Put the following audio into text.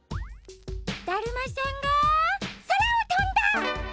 だるまさんがそらをとんだ！